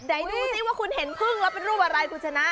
ไหนดูสิว่าคุณเห็นพึ่งแล้วเป็นรูปอะไรคุณชนะ